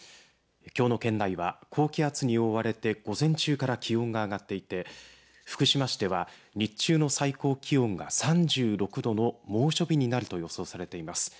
きょうの県内は高気圧に覆われて午前中から気温が上がっていて福島市では日中の最高気温が３６度の猛暑日になると予想されています。